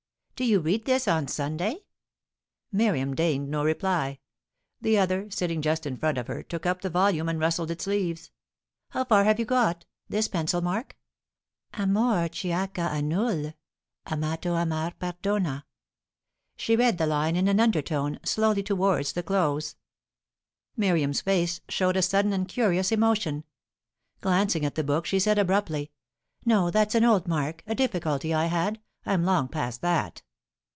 "Do you read this on Sunday?" Miriam deigned no reply. The other, sitting just in front of her, took up the volume and rustled its leaves. "How far have you got? This pencil mark? 'Amor ch'a null' amato amar perdona.'" She read the line in an undertone, slowly towards the close. Miriam's face showed a sudden and curious emotion. Glancing at the book, she said abruptly: "No; that's an old mark a difficulty I had. I'm long past that."